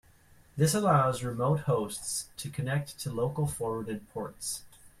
This allows remote hosts to connect to local forwarded ports.